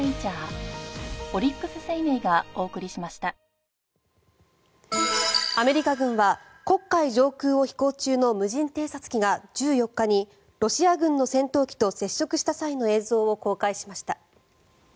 ぜひ優勝、決勝に向かってアメリカ軍は黒海上空を飛行中の無人偵察機が１４日にロシア軍の戦闘機と接触した際の映像を公開しました。